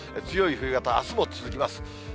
強い冬型、あすも続きます。